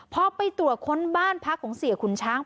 พอไปตรวจค้นบ้านพักของเสียขุนช้าง